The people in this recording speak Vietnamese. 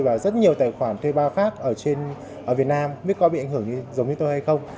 mà rất nhiều tài khoản thuê ba khác ở việt nam biết có bị ảnh hưởng giống như tôi hay không